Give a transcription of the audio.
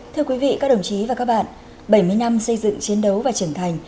thưa quý vị các đồng chí và các bạn bảy mươi năm xây dựng chiến đấu và trưởng thành